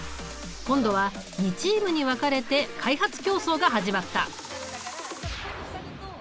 今度は２チームに分かれて開発競争が始まった。